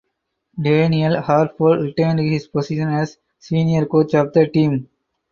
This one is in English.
Daniel Harford retained his position as senior coach of the team.